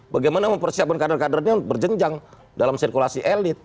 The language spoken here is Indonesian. bagaimana mempersiapkan kader kadernya berjenjang dalam sirkulasi elit